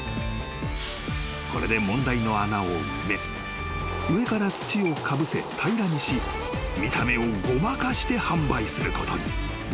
［これで問題の穴を埋め上から土をかぶせ平らにし見た目をごまかして販売することに］